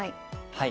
はい。